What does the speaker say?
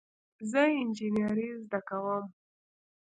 زه انجینری زده کوم